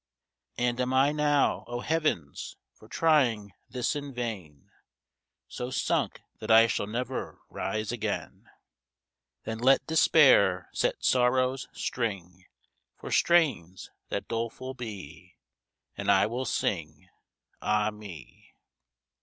And am I now, O heavens! for trying this in vain, So sunk that I shall never rise again? Then let despair set sorrow's string, For strains that doleful be; And I will sing, Ah me!